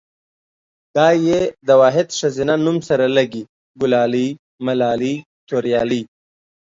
دا ۍ دا واحد ښځينه نوم سره لګي، ګلالۍ ملالۍ توريالۍ